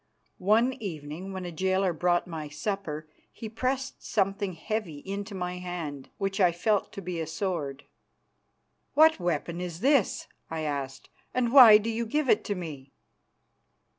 One evening when a jailer brought my supper he pressed something heavy into my hand, which I felt to be a sword. "What weapon is this?" I asked, "and why do you give it to me?"